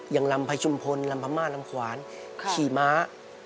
อย่างลำไพชุมพลลำพม่าลำขวานขี่ม้า